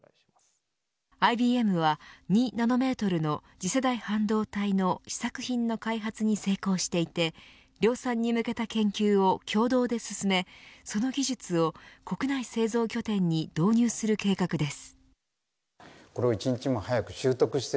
ＩＢＭは２ナノメートルの次世代半導体の試作品の開発に成功していて量産に向けた研究を共同で進めその技術を国内製造拠点に導入する計画です。